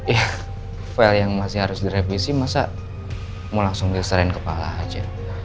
eh file yang masih harus direvisi masa mau langsung diserin kepala aja